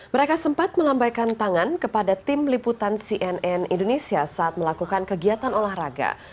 mereka sempat melambaikan tangan kepada tim liputan cnn indonesia saat melakukan kegiatan olahraga